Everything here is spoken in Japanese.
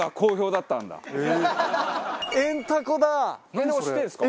炎たこ知ってるんですか？